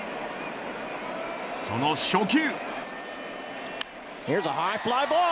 その初球。